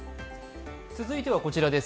続いてはこちらです。